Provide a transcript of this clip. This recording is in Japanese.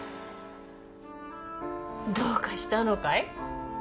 どうかしたのかい？